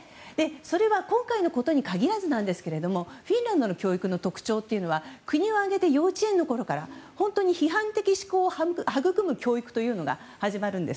それは今回のことに限らずなんですけれどもフィンランドの教育の特徴は国を挙げて幼稚園の頃から本当に批判的思考をはぐくむ教育が始まるんです。